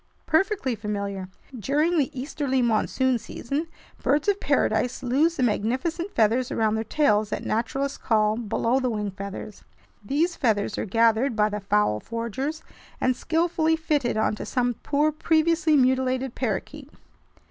"Perfectly familiar. During the easterly monsoon season, birds of paradise lose the magnificent feathers around their tails that naturalists call 'below the wing' feathers. These feathers are gathered by the fowl forgers and skillfully fitted onto some poor previously mutilated parakeet.